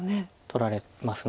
取られます。